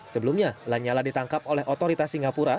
sebelumnya lanyala ditangkap oleh otoritas singapura